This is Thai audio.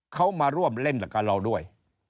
เขามาร่วมเล่นกับเราด้วย